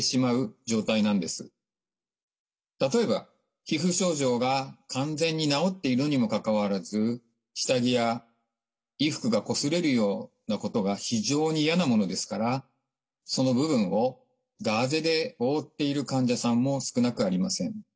例えば皮膚症状が完全に治っているにもかかわらず下着や衣服がこすれるようなことが非常に嫌なものですからその部分をガーゼで覆っている患者さんも少なくありません。